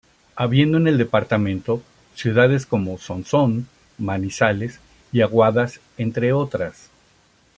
Habiendo en el departamento ciudades como Sonsón, Manizales y Aguadas entre otras.